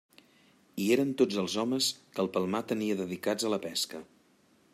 Hi eren tots els homes que el Palmar tenia dedicats a la pesca.